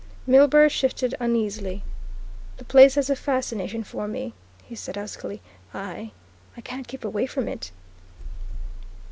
Milburgh shifted uneasily. "The place has a fascination for me," he said huskily, "I I can't keep away from it."